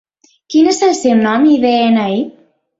Quin és el seu nom i de-ena-i?